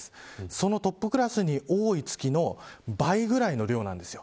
そのトップクラスに多い月の倍ぐらいの量なんですよ。